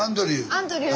アンドリュー。